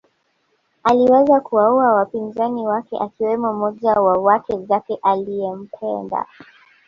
Aliweza kuwaua wapinzani wake akiwemo mmoja wa wake zake aliempenda